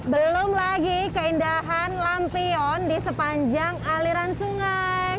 belum lagi keindahan lampion di sepanjang aliran sungai